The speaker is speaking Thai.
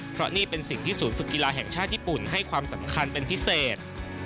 เพราะนี่เป็นสิ่งที่ศูนย์ฝึกกีฬาแห่งชาติญี่ปุ่นให้ความสำคัญเป็นพิเศษ